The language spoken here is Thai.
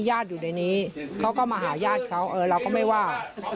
ญาติอยู่ในนี้เขาก็มาหาญาติเขาเออเราก็ไม่ว่า